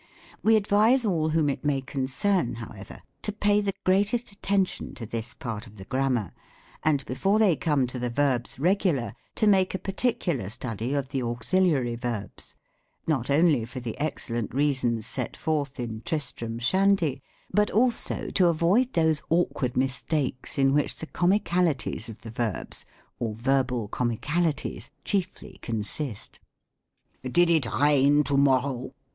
We advise all whom it may concern, however, to pay the greatest attention to this part of the Grammar, and before they come to the Verbs Regular, to make a particular study of the Auxiliary Verbs : not only for the excellent reasons set forth in " Tristram Shandy," but also to avoid those awkward mistakes in which the Comicalities of the Verbs, or Verbal Comicalities, chiefly consist. " Did it rain to morrow